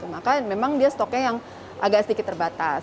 maka memang dia stoknya yang agak sedikit terbatas